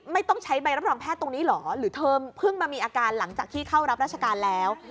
ไม่ต้องใช้ใบรับรองแพทย์ตรงนี้เหรอหรือเธอเพิ่งมามีอาการหลังจากที่เข้ารับราชการแล้ว